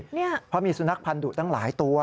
เพราะมีสุนัขพันธุตั้งหลายตัว